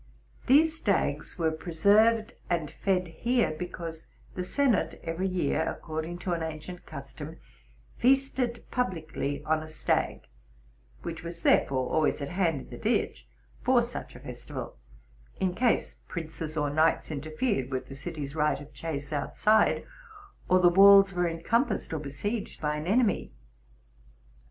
These stags were preserved and fed here because the senate, every year, according to an ancient custom, feasted publicly on a stag, which was therefore always at hand in the ditch for such | a festival, in case princes or knights inter fered with the city's right of chase outside, or the walls were encompassed or besieged by an enemy.